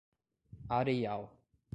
Areial